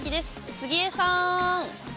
杉江さん。